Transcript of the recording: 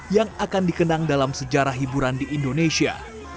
yang akan dikenang dalam sejarah hiburan di indonesia